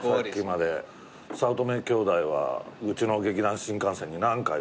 早乙女兄弟はうちの劇団☆新感線に何回も。